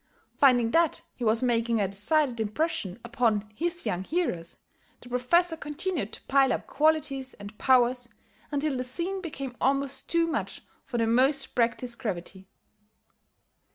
Finding that he was making a decided impression upon his young hearers, the Professor continued to pile up qualities and powers, until the scene became almost too much for the most practised gravity.